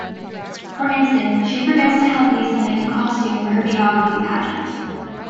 For instance, she forgets to help Lisa make a costume for her geography pageant.